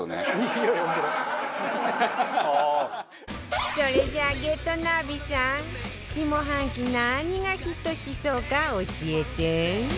それじゃあ『ゲットナビ』さん下半期何がヒットしそうか教えて！